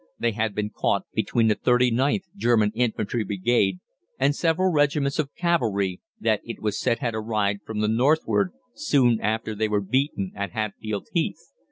They had been caught between the 39th German Infantry Brigade and several regiments of cavalry, that it was said had arrived from the northward soon after they were beaten at Hatfield Heath.